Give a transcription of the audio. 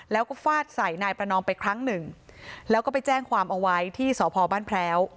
แล้วก็ฟาดใส่นายประนอมไปครั้งหนึ่งแล้วก็ไปแจ้งความเอาไว้ที่สพบ้านแพร้ว